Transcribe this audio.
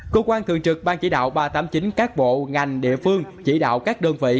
cơ quan thường trực ban chỉ đạo ba trăm tám mươi chín các bộ ngành địa phương chỉ đạo các đơn vị